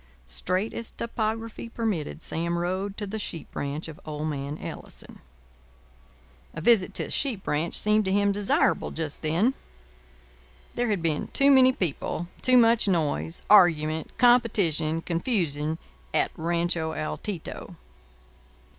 Straight as topography permitted, Sam rode to the sheep ranch of old man Ellison. A visit to a sheep ranch seemed to him desirable just then. There had been too many people, too much noise, argument, competition, confusion, at Rancho Altito.